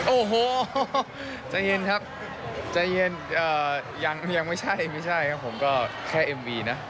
โอ้โหใจเย็นครับใจเย็นยังไม่ใช่ไม่ใช่ครับผมก็แค่เอ็มวีนะ